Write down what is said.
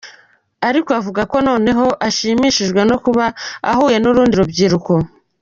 Ariko avuga ko noneho ashimishijwe no kuba ahuye n’urundi rubyiruko.